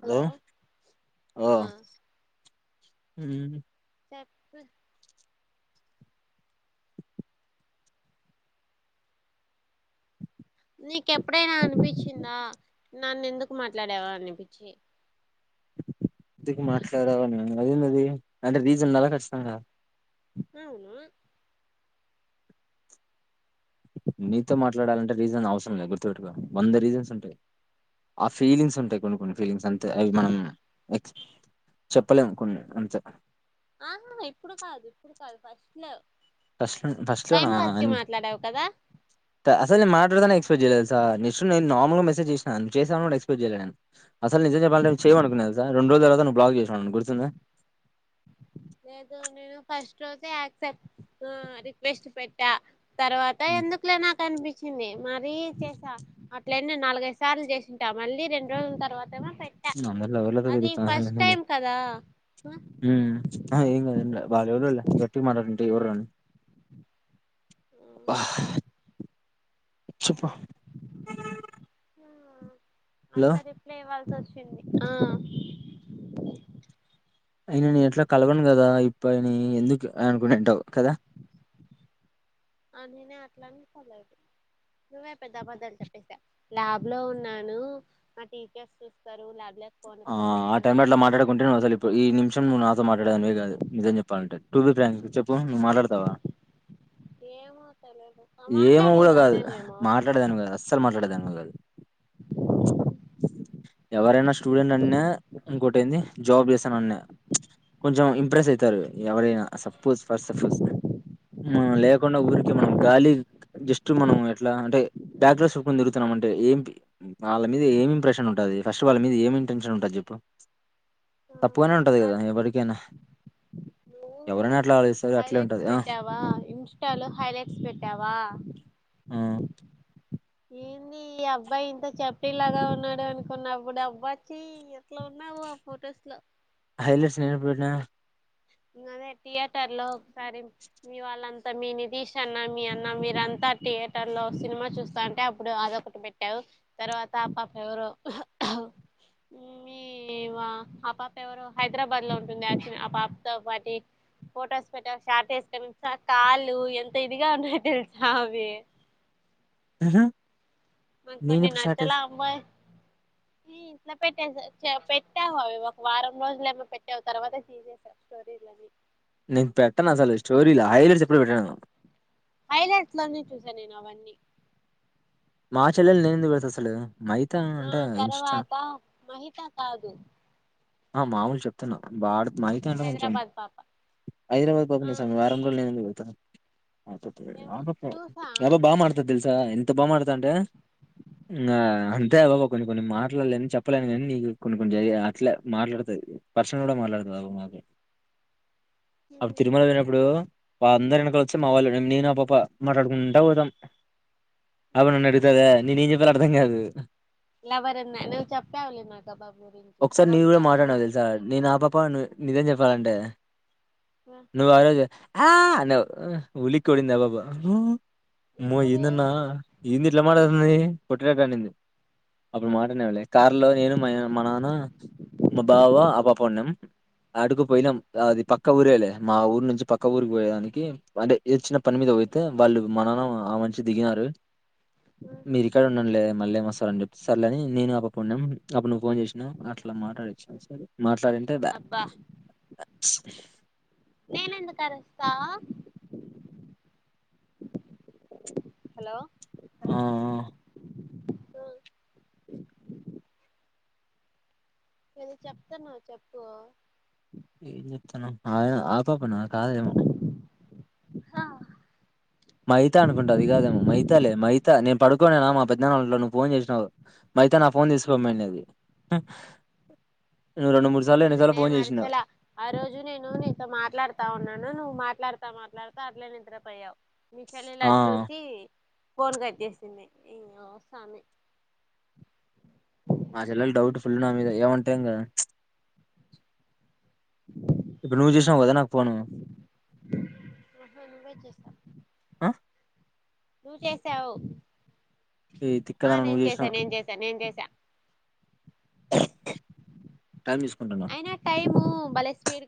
Hello ఆ హ్మ్ చెప్పు నీకెప్పుడైనా అనిపించిందా నన్ను ఎందుకు మాట్లాడేవా అనిపించి దుకు మాట్లాడవని అదేందది అంటే రీజన్ నలా ఖచ్చితంగా అవునా నీతో మాట్లాడాలంటే రీజన్ అవసరం లేదు గుర్తుపెట్టుకో వంద రీజన్స్ ఉంటయి ఆ ఫీలింగ్స్ ఉంటయి కొన్ని కొన్ని ఫీలింగ్స్ అంతే అవి మనం ఎక్స్ చెప్పలేము కొన్ని అంతే ఆ ఇప్పుడు కాదు ఇప్పుడు కాదు ఫస్ట్ లొ ఫస్ట్ ఫస్ట్ల మాట్లాడావు కదా అ అసల్ నే మా ఇప్పటిదాకా ఎక్సపేక్ట్ చేయాలె తెలుసా జస్ట్ నేన్ నార్మల్ గా మెసేజ్ జేసినా చేసిన గుడా ఎక్సపెక్ట్ చేయాలే నేను అసలు నిజం చెప్పాలంటే చేయవు అనుకున్నా తెలుసా రెండ్ రోజులు త బ్లాగ్ చేసినవ్ నన్ను గుర్తుందా లేదు నేను ఫస్ట్ రోజే ఆక్సెప్ట్ రిక్వెస్ట్ పెట్టా తర్వాత ఉమ్, ఎందుకులే నాక్ అనిపించింది మరీ చేసా అట్ ఇట్లైతే నాలుగైదు సార్లు జేసింటా మళ్ళీ రెండు రోజుల తరువాతా అందర్ల ఎల తిరుగుతా. కదా ఆ, ఊ ఆ ఏంకాదు ఏంకాదు వాలేవరో గట్టిగా మాట్లాడుతుంటె ఏవర్రా అబ్బా చెప్పు ఆ, లో అట్లా రిప్లై ఇవ్వాల్సి వచ్ ఆ నేను ఎట్లో కలవను గదా ఇప్పుని ఎందుకు అనుకునింటావు కదా ఆహ్ నీనే అట్లానుకోలేద్ నువ్వే పెద్ద అబద్దాలు చెప్పేసా ల్యాబ్ లో ఉన్నాను నా టీచర్స్ చూస్తారు లాబ్ ఆ ఆ టైమ్ లో అలా మాట్డుకుంటే నువ్ అసలు ఇడు ఈ నిమిషం నువ్వు నాతో మాట్లాడే అవే కాదు నిజేం చెప్పాలంటే టూ బి ప్రాంక్ చెప్పు మను నువ్ మాట్లాడు స్తవా ఏమ ఏమో కూడా కాదు మాట్లాడేదానికి కాదు అస్సలు మాట్లాడేదానికి కాదు ఎవరైనా స్టూడెంట్ అన్న ఇంకోటెంది జాబ్ చేస్తాను అన్నా కొంచం ఇంప్రెస్ అయితారు ఎవరైనా సపోజ్ ఫస్ట్ సపోజ్. ఊ లేకుండా ఊరికి మనం గాలిీ జస్ట్ మనం ఎట్లా అంటే బ్యాక్లాస్ చెప్పుకుని తిరుగుతున్నాం అంటే ఏం వాళ్ళ మీద ఏమి ఇంప్రెషన్ ఉంటుది ఫస్ట్ ఆఫ్ వాళ్ళ మీద ఏమి ఇంటెన్షన్ ఉంటది జేప్పు అది కాదు నువ్వు ఎవరైనా అట్లా ఆలోచిస్తారు అట్లే హైలైట్స్ ఉంటది. ఆ! పెట్టావా ఇన్స్టాలో హైలైట్స్ పెట్టావా ఆ! ఏంది ఈ అబ్బాయి ఇంత చబ్బి లాగా ఉన్నాడు అనుకున్నప్పుడు అబ్బా వచ్చి ఎట్లా ఉన్నావో ఆ ఫొటోస్ లో హైలైట్స్ నేను ఎప్పుడు పెట్టినా అదే థియేటర్ లో ఒకసారి మీ వాళ్ళంతా మీ నితీష్ అన్న మీ అన్న మీరంతా థియేటర్ లో సినిమా చూస్తా అంటే అప్పుడు అదొకటి పెట్టావ్ తర్వాత ఆ పాప ఎవరు మీ ఆ పాప ఎవరు హైదరాబాద్ లో ఉంటుంది ఆ పాప తో పాటి ఫొటోస్ పెట్ట షార్ట్ వేస్తె కాళ్ళు ఎంత ఇదిగా ఉన్నాయో తెలుసా అవి ఉ ఊ మకు కొన్ని నచ్చలా అబ ఇట్లా పెట్టే పెట్టావు అవి ఒక వారం రోజులు ఏమో పెట్టావు తర్వాత తీసేసా స్టోరీలని నేను పెట్టాను అసలు స్టోరీలా హైలైట్స్ ఎప్పుడు పెట్టానును ఐలాండ్స్ లోనే చూసాను నేను అవన్నీ మాచెలలు నేనుంది వెళ్తా ససలు ఆ తర్వాత మహిత కాదు ఆ మామూలు చెప్తున్నా బాడ అయిత అంట కొంచెం హైదరాబాద్ పాప హైదరాబాద్ ఆ పపనేవామి వారం రోజు నేనుందుకు వెళ్తాను ఏమో చూసా అ బ బా మతదిల్సా ఎంత ఎంత బాగుమాడుతా అంటే అంతే బాబ కొన్ని కొన్ని మాట్లాడలేని చెప్పలేని కానీ నీ కొన్ని కొ అట్లే మాట్లాడుతు పర్శన కూడా మాట్లాడుతు అబ మాక అప్పుడు తిరుమల పోనప్పుడు వాళ్ళ అందరు వెనకల వచ్చి మా వాళ్ళు నేనా పాప మాట్లాడుకుంటా పోతాం అవు నన్ను అడుగుతే అదే నేనే ఏం చెప్పాలో అర్థం కాదు లెబరెన్న నువ్వు చెప్పావులే ఆ పాబా గురించి ఆ పాబా నువ్వే మాట్లాడవు తెలుసా నేన్ ఆ పాప నిజం చెప్పాలంటే నువ్వు ఆరోజే ఆ ఉలిడిందా [unintelligible] అమ్మో ఎప్పుడు ఏంది అన్నా ఏంది ఇట్లా మాట్లాడుతుంది కొట్టినట్ండింది అప్పుడు మాటలానేవాళ్ళి కార్ లో నేను మ మనన్న మా బావ ఆ పాపండం ఆడుకుపోయినా అది పక్క ఊర వెళ్ళ మా ఊరు నుంచి పక్క ఊరికి పోయడాానికి అంటే ఏది చిన్న పని మీద అైతే వాళ్ళు మనన్న ఆ మచి దిగినారు మీరు ఇక్కడ ఉండండిలే మళ్ళీ వస్తార అని చెప్ి సారులేని నేను అప్పుడు ఉన్నాను అప్పుడు నువ్వు ఫోన్ చేసినావు అట్ [unintelligible] మా మాట్చ్చిన మాట్లాడింటే బ అబ్బా నేన ఎందుకుారుస్తా హలో ఆ నది చెప్తాను చెప్పు ఏ చెప్తను ఆ పాప్ప నా కాదేమో ఆ మహిత అనుకుంటా అది కాదేమో మధ్యానా్నవలో నువ్వు ఫోన్ చేసినావు మ అతే నా ఫోన్ తీసుకోమ్మ అనే అది ఆ నేను ఆరిచలా ఆ రోజు నేను నీతో మాట్లాడుతా ఉన్నాను నువ్వు మాట్లాడుత మాట్లాడుతే అట్లే నిద్రపోయావు మీ చెల్లి లా ఆ చూసి ఫోన్ కట్ చేసింది మా చెల్లలు డౌట్ ఫుల్ ఉ నా మీద ఏమంటాం కదా ఇప్పుడు నువ్వు చూసినవ్ కదా నాకు పోను ఆహా నువ్వే చేసావ్ నువ్వు చేసావు ఈ ఆ తిక్కదాన నువ్వు నేను చేసా చేసినావు నేను చేసా నేను చేసా టైం చూసుకుంటున్నా అయినా టైము బలస్మీర్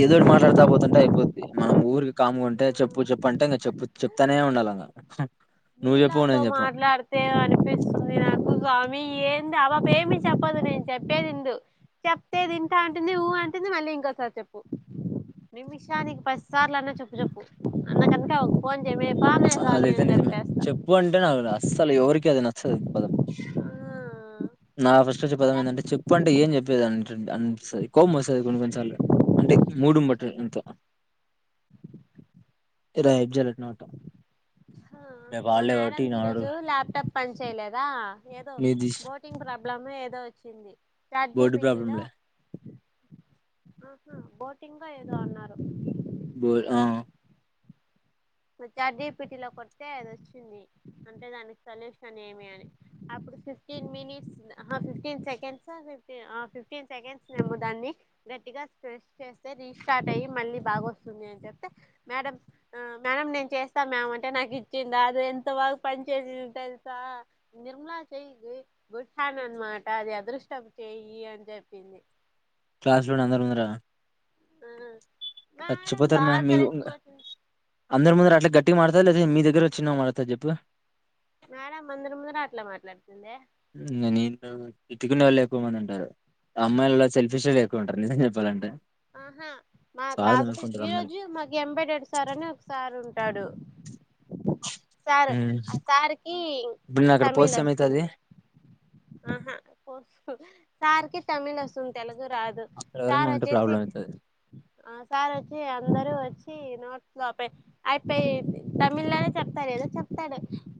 ఏదోటి మాట్లాడుతా పోతుంటే అయిపోద్ది మనం ఊరికి కాముంటే చెప్పు చెప్పుంటే ఇంకా చెప్పు చెప్తానే ఉండాలగా నీలాతో మాట్లాడితే అనిపిస్తుంది నాకు మీ ఏంది ఆబాబ ఏమి చెప్పదు నేను చెప్పేది ఇందు చెప్తేది ఇంట అంటుంది ఊ అంటుంది మళ్ళీ ఇంకోసారి చెప్పు ని విషయానికికు పదిసార్లు అన్న చెప్పు చెప్పు అన్నకన్నా కొంచె బానే స్వామి అని చెప్పే ఇప్పుంటే నా అస్సలు ఎవరికి అది నచ్చదు పదం ఆ నా పదం చెప్తా ఏందంటే చెప్ప అంటే ఏం చెప్పేదండి అనిపిస్తాది కోపం వస్తుంది కొన్ని కొన్ని సార్లు అంటే మూడును బట్టి ఎంతోబ్జాల ణట మా మేడది ఈ రోజు ల్యాప్టాప్ పని చేయలేదు రా ఏదో మీది ఓటింగ్ ప్రాబ్లెమో ఇదో వచ్చింది చాట్ బోర్డు జీపిటి ఆహా ప్రాబ్లంలే ఓటింగో ఏదో అన్నారు బోల్ ఆ చాట్ జిపిటి లో కొడితే అది వచ్చింది అంటే దానికి సొల్యూషన్ ఏమి అని అప్పుడు ఫిఫ్టీన్ మినిట్స్ ఆహా ఫిఫ్టీన్ సెకండ్సా ఫిఫ్టీ ఆ ఫిఫ్టీన్ సెకండ్స్నేమో దాన్ని గట్టిగా ప్రెస్ చేస్తే రీస్టార్ట్ అయ్యి మళ్ళీ బాగా వస్తుంది అని చెప్తే మేడం ఆ మేడం నేను చేస్తా మేడంటే నాకు ఇచ్చిందా అది ఎంత బాగా పని చేసిందో తెలుసా నిర్మలా చెయి గుడ్ హ్యాండ్ అనమాట అది అదృష్టం చెయి అని చెప్పింది క్లాసులోనే అందర ముందర ఆ మేడం చచ్చిపోతారు బాగా మ్యామ్ మీ ఇగ కలిసిపోతుంది అందరి ముందరు అట్లా గట్టిగా మాట్లాడతారా లేదా మీ దగ్గర చిన్న మాట చెప్పు మేడం అందరి ముందర అట్లె మాట్లాడుతుంది ఎందే ఇగ నిన్ను తిటుకునిల్లో ఎక్కువ మంది ఉంటారు అమ్మాయిలో సెల్ఫిష్ ఓలె ఎక్కువ ఉంటారు నిజం చెప్పాలంటే ఆహా మా స్వార్థం క్లాస్ ఎక్కువ ఉంటారు ఈ అమ్మాయిలు రోజు మాకు ఎబైటడు సార్ అని ఒక సార్ ఉం ఉంటాడు సారు ఆ సార్ కి ఇప్పుడు నేను అక్కడ తమిళ పోస్తే ఏమైతది వస్తుంది ఆహా పాస్కో సార్ కి తమిళ వస్తుంది తెలుగ గు రాదు అక్కడ ఎవరైనా సార్ ఉంటే వచ్చేసి ప్రాబ్లం అయితది ఆ సార్ వచ్చి అందరూ వచ్చి నార్త్ లోపే అయిపోయి తమిళ్ లోనే చెప్తారు ఏదో చెప్తాడు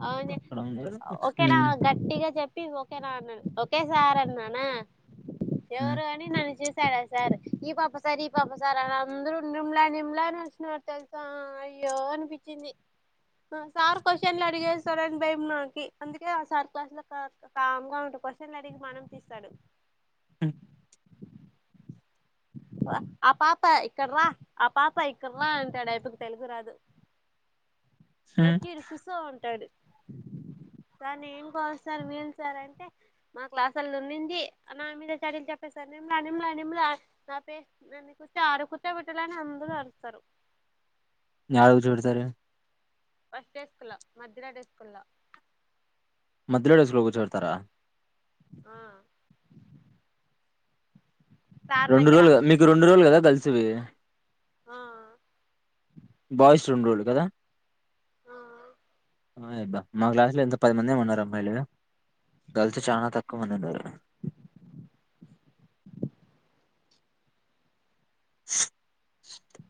అవును అక్కడ ఉన్నారు. ఒకే నా హ్మ్. గట్టిగా చెప్ప [unintelligible] ఓకేనా అనాడు ఒకే సార్ అన్నానా హ్మ్. ఎవరు అని నన్ను చూసి సరే సార్ ఈ పాప సార్ ఈ పాప సార్ అని అందరూ నిర్మలా నిర్మలా అని అరిచారు తెలుసా అయ్యో అనిపించింది సార్ క్వశ్చన్లు అడిగేస్తారని భయం నాకి అందుకే ఆ సార్ క్లాస్ లో కాస్త కాంగా ఉంటే క్వశ్చన్లు అడిగి మానం తీస్తాడు మ్ ఆ పాప ఇక్కడ్రా ఆ పాప ఇక్కడ్రా అంటాడు ఆ అప్పకు తెలుగు రాదు హ్మ్. వచ్చి ఈడ కుసో అంటాడు కానీ ఇంకోసారి వీళ సార్ అంటే మా క్లాసుల్లో నున్నింది నా మీద చాడీలు చెప్పేస్తారు నిర్మలా నిర్మలా నిర్మలా నా పేరు నన్ను కుర్చ ఆడ కుర్చో పెట్టాలని అందరూ ఆరుస్తారు యాడ కూర్చోబెటుతారు ఫస్ట్ డెస్క్ లో మధ్యలో డెస్క్ లో మధ్యలో డెస్క్ లో కూర్చోబెట్టుతారా ఆ సార్ రెండు దగ్గర రోజులు మీకు రెండు రోజులు కదా కలిసి వచ్చేవి ఆ బాయ్స్ రూంలో కదా ఆ ఓ అబ్బ మా క్లాస్లో ఎంత పది మందేమో ఉన్నారు అమ్మాయిలు గర్ల్స్ చాలా తక్కువ మంది ఉన్నారు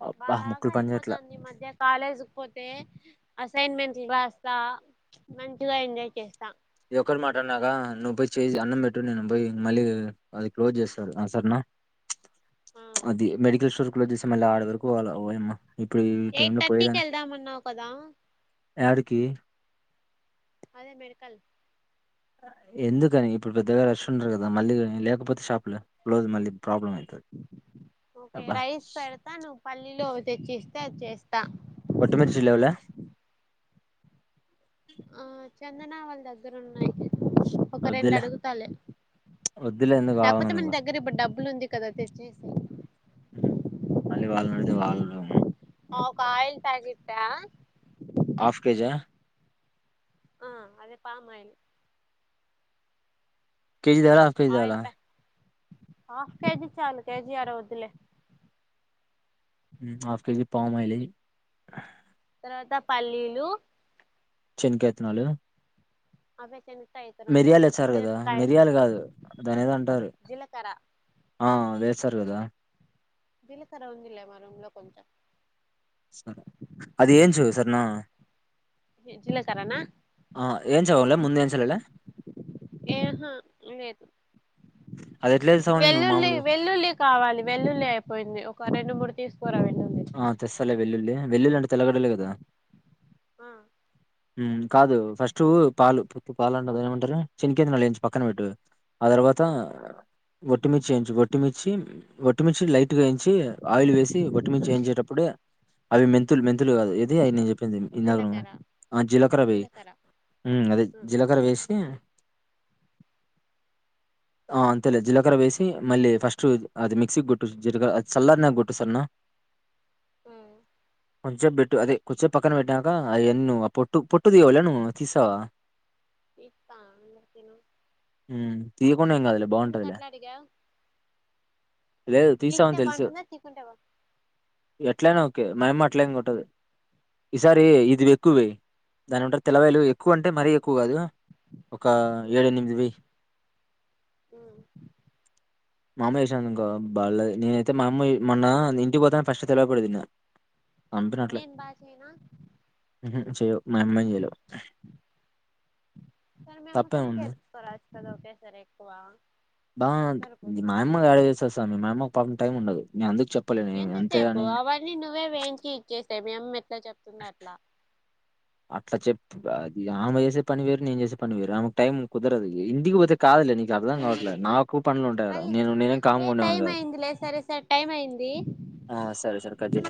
అబ్బా బాగా ముక్కులు పనిచేయట్లా అయిపోతాంది మధ్య కాలేజ్కి పోతే అసైన్మెంట్ రాస్తా మంచిగా ఎంజాయ్ చేస్తా ఈ ఒకక్కరి మాట అన్నాగా నువ్వు పోయి చేసి అన్నం పెట్టు నే పోయి మళ్ళీ అది క్లోజ్ చేస్టారూ ఆ సరేనా ఆ ఓకే మెడికల్ స్టోర్ క్లోజ్ చేసి మళ్ళీ ఆడవరకూ ఎయిట్ థర్టీకి వెళ్దామన్నావు ఒకదా యాడికి అదే మెడుకల్ ఎందుకని ఇప్పుడు పెద్దగా రష్ ఉండరు కదా మళ్ళీ లేకపోతే షాప్ క్లోజ్ మళ్ళీ ప్రాబ్లం అయితది ఓకే అబ్బా రైస్ పెడతా నువ్వు పల్లిలో తెచ్చిస్తే అది చేస్తా ఒత్తిమిర్చి లేవు లే ఆ చందన వాళ్ళ దగ్గర ఉన్నాయి ఒక రెండు వద్దులే అడుగుతాలలే వద్దులే ఎందుకు వాళ్ళని లేకపోతే ఎందుకు మన దగ్గర ఇప్పుడు డబ్బులు ఉంది కదా తెచ్చేయ్ ఉమ్. [unintelligible] ట్టా ఆఫ్ కేజా ఆ అదే పామాయిలు కేజీ జాల ఆఫ్ కేజై జాల హఫ్ కేజీ చాలు కేజీ అర వద్దులే హాఫ్ కేజీ పామైలీ తర్వాత పల్లీలు చిన్నకాైత్నాలు అభే చె మిరియాలు వచ్చారు కదా మిరియలు కాదు దానోది అంటారు జీలకర్ర ఆ వేశారు కదా జిలకర ఉందిల్ మి రూంలో కొంచం సరే అది ఏంచు సరేనా జిలకారానా ఆ ఏంచవలే ముందు ఏంచలేలే ఏహా లేదు అది ఎట్లా ఏస్తావు నువ్వు వెల్లుల్లి మామూలుగా వెల్లుల్లి కావాలి వెల్లుల్లి అయిపోయింది ఒక రెండు మూడు తీసుకురాండి ఆ తెస్సాలె వెలుల్లి వెల్లుల్లి అంట తెలకడలే కదా ఆ ఉ కాదు ఫస్ట్ పాలు పుప్పు పాలు అంట ఏమంటారు చినికతు నయించిు పక్కన పెట్ ఆ తర్వాత ఒొట్టిమిర్చి చేయించు ఒొట్టిమిర్చి వచ్చి ఒట్టమిచి లైట్గా ఎయించి ఆయిల్ వేసి ఒొట్మించ వేయించేటప్పుడే అవి మెంతులు మెంతులు కాదు ఇది అయ నను చెప్ప ఇందక నువు జీలకర్ర ఆ జీలకర్ర వేయ్ అదే ఆ జీలకర వేసి ఆ అంతేలే జీలకర్ర వేసి మళ్ళీ ఫస్ట్ అది మిక్సీకి కొట్టుు జీలకర్ర చల్లరి నాక కొట్టు సరె నా అ కొంచేపు బేట్టు అదే కొంచెం పక్కన పెట్టాక అ ఎన్ను పొట్టు పొట్టు తీయవలె నువ్వు తీసావా తీస్తా ఎందుకు తీ కునంకదులే బాగుంటదిలే అట్లా అడిగావ్ లేదు తీస్తే తీసావని తెలుసు బాగుంటుందా తీకుంటే బా ఎట్లనా ఓకే మాయమ్మ అట్లం కొట్టదు ఈసారి ఇది వె ఎక్కువే దానింటారు తెలవాేలు ఎక్కువ అంటే మరీ ఎక్కువ కాదు ఒక ఏడు ఎనిమిది వెయ్యి్ అ మా అమ్మ వసాను ఇంకా బళ్ళ నేనైతే మా అమ్మ మొన్న ఇంటికి పోతాని ఫస్ట్ తెలియపడదిన్న నేను బాచెయ్నా చెయవు మా అమ్మని చెయలే తప్పేముంది పేసారా ఎక్కువ బా సరిపోతుంది మాయమ్మ డ చేస్తస్తా మీ మామ్మ టైమ్ టైం ఉండదు నేను అందుకు చెప్పలేను ఏమి. ఎంత అంతే సేపు అని అవీఅన్ని నువ్వే వెంచి [unintelligible] చెప్తుంధో అట్లా అట్లా చెప్ అది ఆమె చేసే పనివెరు నను చేసే పనివెరు ఆమెకు టైమ్ కుదరదు ఇంటికి పోతే కాదు అర్థం కావట్లేదు నాకు పనులు ఉంటాయి కదా మళ్ళీ నేను నేనే కామ్ ఏ గా టైం ఉండనులే అయిందిలే సరే సరే టైం అయింది సరే సరే కట్ చే